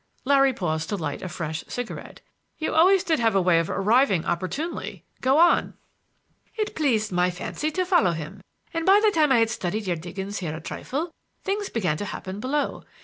Larry paused to light a fresh cigarette. "You always did have a way of arriving opportunely. Go on!" "It pleased my fancy to follow him; and by the time I had studied your diggings here a trifle, things began to happen below.